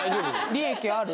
利益ある？